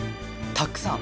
たっくさん。